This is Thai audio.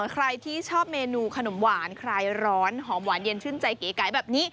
ใครที่ชอบเมนูขนมหวานคลายร้อนหอมหวานเย็นชื่นใจเก๋แบบนี้